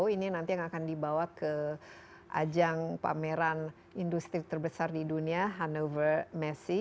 ini nanti yang akan dibawa ke ajang pameran industri terbesar di dunia hannover messi